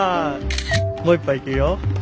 もう一回いくよ。